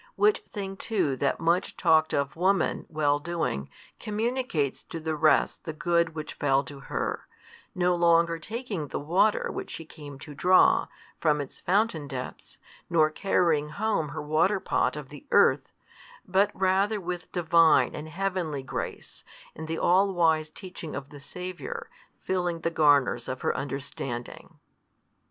Which thing too that much talked of woman well doing, communicates to the rest the good which fell to her, no longer taking the water which she came to draw, from its fountain depths, nor carrying home her waterpot of the earth, but rather with Divine and heavenly grace and the all wise teaching of the Saviour filling the garners of her understanding.